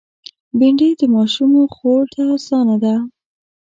بېنډۍ د ماشومو خوړ ته آسانه ده